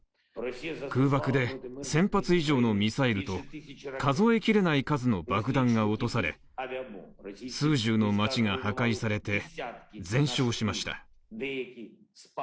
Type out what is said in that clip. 空爆で１０００発以上のミサイルと数え切れない数の爆弾が落とされ数十の町が破壊されて全焼しました。